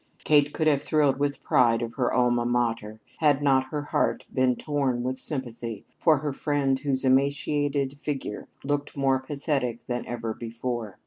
Kate could have thrilled with pride of her alma mater had not her heart been torn with sympathy for her friend whose emaciated figure looked more pathetic than ever before.